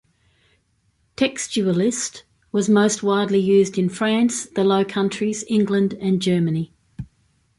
"Textualis" was most widely used in France, the Low Countries, England, and Germany.